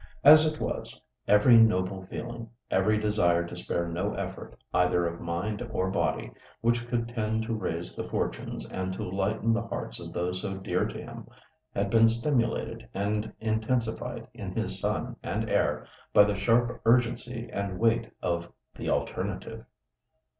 As it was, every noble feeling, every desire to spare no effort either of mind or body which could tend to raise the fortunes and to lighten the hearts of those so dear to him, had been stimulated and intensified in his son and heir by the sharp urgency and weight of the Alternative.